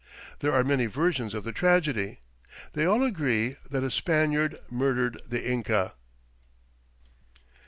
There are many versions of the tragedy. They all agree that a Spaniard murdered the Inca.